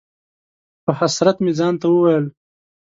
په حسرت مې ځان ته وویل: